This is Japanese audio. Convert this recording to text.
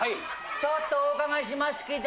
ちょっとお伺いしますけど。